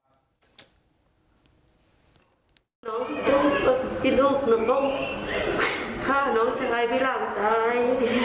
ไหนล่ะน้องจู๊บก็ทิ้งรูปหนูต้องฆ่าน้องชายที่หลั่งตาย